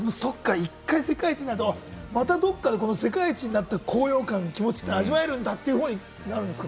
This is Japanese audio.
一回、世界一になると、またどこかで世界一になった高揚感、気持ちを味わえるんだというふうになるんですか？